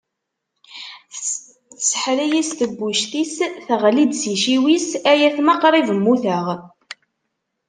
Tseḥḥer-iyi s tebbuct-is, teɣli-d s iciwi-s, ay atma qrib mmuteɣ!